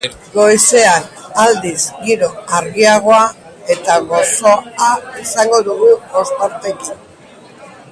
Goizean, aldiz, giro argiagoa eta gozoa izango dugu, ostarteekin.